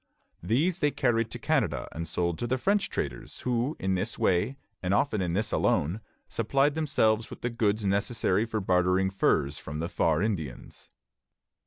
These they carried to Canada and sold to the French traders, who in this way, and often in this alone, supplied themselves with the goods necessary for bartering furs from the "Far Indians."